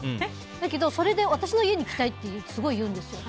だけど、それで私の家に行きたいって言うんですよ。